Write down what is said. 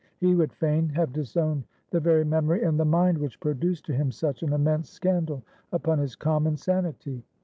He would fain have disowned the very memory and the mind which produced to him such an immense scandal upon his common sanity.